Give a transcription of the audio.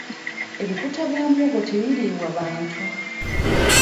Ebikuta bya muwogo tebiriibwa bantu.